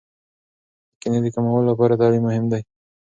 د کینې د کمولو لپاره تعلیم مهم دی.